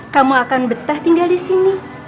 kamu akan betah tinggal disini